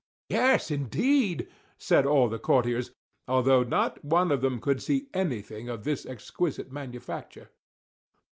"Yes indeed!" said all the courtiers, although not one of them could see anything of this exquisite manufacture.